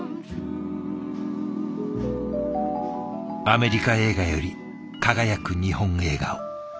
アメリカ映画より輝く日本映画を。